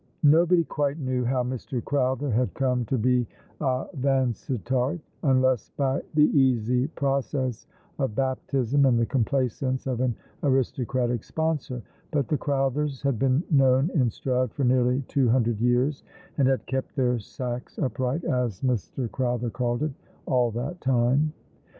Nobody quite knew how Mr. Crowther had come to be a Vansittart — unless by the easy process of baptism and the complaisance of an aristocratic sponsor; but the Crowthers had been known in Stroud for nearly two hundred years, and had kept their sacks upright, as Mr. Crowther called it, all that time.